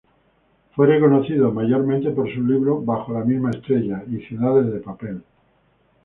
Fue reconocido mayormente por su libro "Bajo la misma estrella" y "Ciudades de papel".